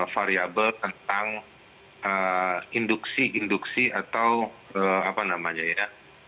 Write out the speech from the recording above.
variable tentang induksi induksi atau apa namanya ya